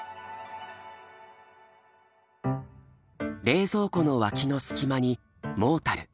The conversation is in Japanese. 冷蔵庫の脇の隙間に「モータル」